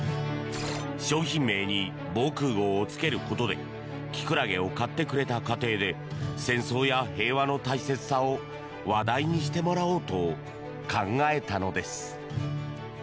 商品名に「防空壕」をつけることでキクラゲを買ってくれた家庭で戦争や平和の大切さを話題にしてもらおうと考えたのです。